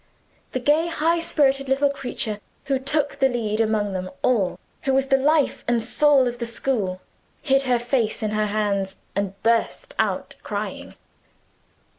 The gay high spirited little creature who took the lead among them all who was the life and soul of the school hid her face in her hands, and burst out crying.